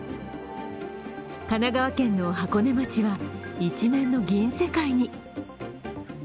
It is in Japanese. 神奈川県の箱根町は一面の銀世界に。